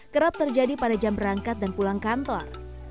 kerap terjadi pada jam berangkat dan pulang kantor